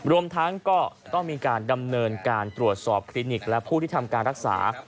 รวมทั้งก็ต้องมีการดำเนินการตรวจสอบคลินิกและผู้ที่ทำการรักษา